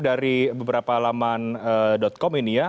dari beberapa alaman dotcom ini ya